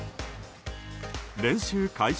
練習開始